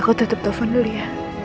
aku tutup telepon dulu ya